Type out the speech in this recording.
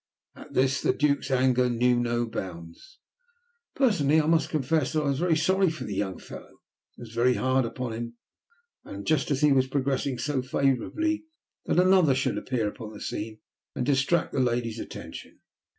At this the Duke's anger knew no bounds. Personally I must confess that I was sorry for the young fellow. It was very hard upon him, just as he was progressing so favourably, that another should appear upon the scene and distract the lady's attention.